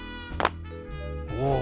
おお。